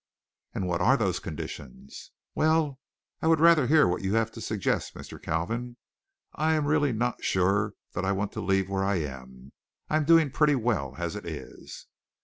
"And what are those conditions?" "Well, I would rather hear what you have to suggest, Mr. Kalvin. I really am not sure that I want to leave where I am. I'm doing pretty well as it is."